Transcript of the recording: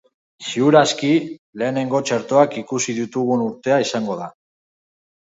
Ziur aski, lehenengo txertoak ikusi ditugun urtea izango da.